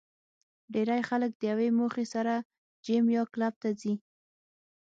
ډېری خلک د یوې موخې سره جېم یا کلب ته ځي